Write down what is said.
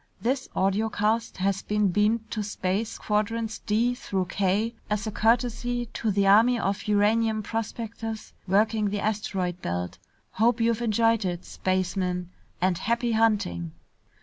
"This audiocast has been beamed to space quadrants D through K, as a courtesy to the army of uranium prospectors working the asteroid belt. Hope you've enjoyed it, spacemen, and happy hunting!"